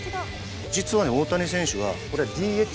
実はね大谷選手はこれＤＨ。